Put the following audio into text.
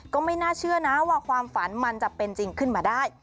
ก็ไม่น่าเชื่อนะว่าความฝันมันจะเป็นจริงขึ้นมาได้